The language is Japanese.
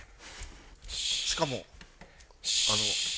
しかもあの。